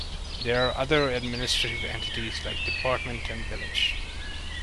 There are other administrative entities like department and village.